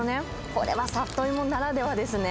これはサトイモならではですね。